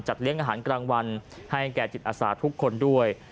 เลี้ยงอาหารกลางวันให้แก่จิตอาสาทุกคนด้วย